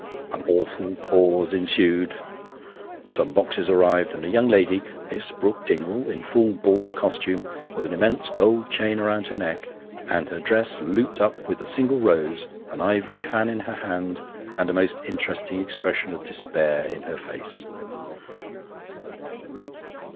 An awful pause ensued. Some boxes arrived and a young lady Miss Brook Dingwall, in full ball costume, with an immense gold chain round her neck, and her dress looped up with a single rose ; an ivory fan in her hand, and a most interesting expression of despair in her face.